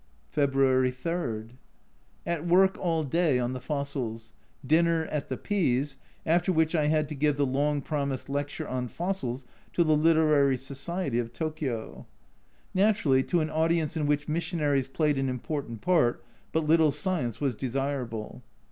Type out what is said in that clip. February 3. At work all day on the fossils. Dinner at the P s, after which I had to give the long promised lecture on fossils to the Literary Society of Tokio. Naturally, to an audience in which missionaries played an important part, but little science was desirable.